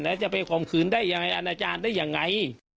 แล้วจะไปข่มขืนได้ยังไงอาณาจารย์ได้ยังไง